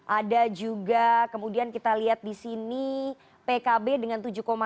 ada juga kemudian kita lihat di sini pkb dengan tujuh satu